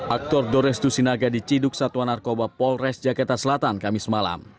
aktor dorestu sinaga diciduk satuan narkoba polres jakarta selatan kamis malam